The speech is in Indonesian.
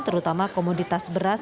terutama komoditas beras